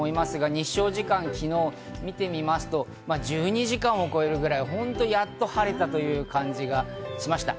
日照時間、昨日を見てみますと１２時間を超えるぐらい、やっと晴れたという感じがしました。